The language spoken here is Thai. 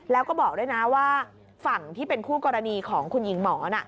แล้วก็บอกด้วยนะว่าฝั่งที่เป็นคู่กรณีของคุณหญิงหมอน่ะ